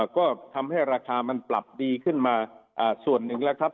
ก็ทำให้ราคามันปรับดีขึ้นมาส่วนหนึ่งแล้วครับ